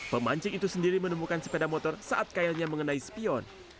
pemancing itu sendiri menemukan sepeda motor saat kailnya mengenai spion